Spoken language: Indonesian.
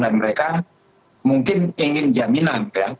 dan mereka mungkin ingin jaminan ya